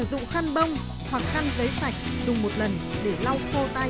bước một mươi năm sử dụng khăn bông hoặc khăn giấy sạch dùng một lần để lau khô tay